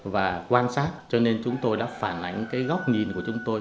và quan sát cho nên chúng tôi đã phản ánh cái góc nhìn của chúng tôi